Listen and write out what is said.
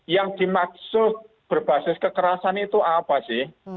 yang dimaksud berbasis kekerasan itu apa sih